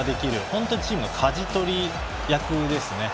本当にチームのかじ取り役ですね。